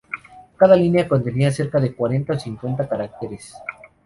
Cada línea contenía cerca de cuarenta o cincuenta caracteres.